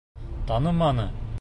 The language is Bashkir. Таныманы.